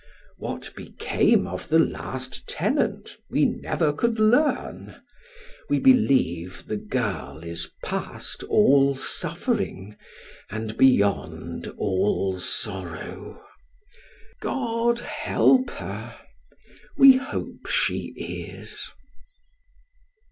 What became of the last tenant we never could learn ; we believe the girl is past all suffering, and beyond all sorrow. God help her ! We hope she is.